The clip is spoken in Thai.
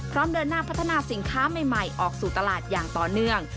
เดินหน้าพัฒนาสินค้าใหม่ออกสู่ตลาดอย่างต่อเนื่อง